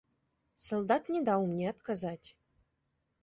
Салдат не даў мне адказаць.